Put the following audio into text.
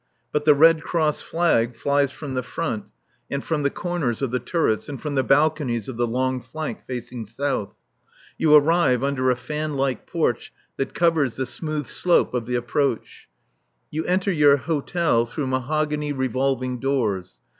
But the Red Cross flag flies from the front and from the corners of the turrets and from the balconies of the long flank facing south. You arrive under a fan like porch that covers the smooth slope of the approach. You enter your hotel through mahogany revolving doors.